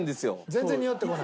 全然におってこない。